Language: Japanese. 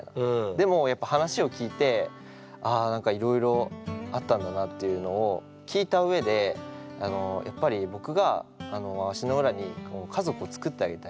でもやっぱ話を聞いてあ何かいろいろあったんだなっていうのを聞いたうえでやっぱり僕が足の裏に家族をつくってあげたい。